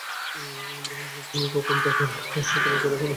ইব্রাহিম বললেন, তুমি যখন তাকে ডাক, সে তোমার কথা শোনে